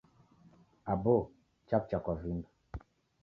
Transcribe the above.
Aboo chaw'ucha kwa vindo.